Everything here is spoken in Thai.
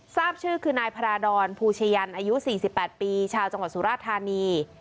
ทราบชื่อคือนายพระราดรภูชยันอายุ๔๘ปีชาวจังหวัดสุราธานี